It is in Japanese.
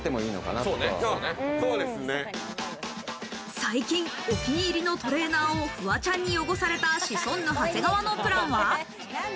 最近、お気に入りのトレーナーをフワちゃんに汚されたシソンヌ・長谷川のプランは。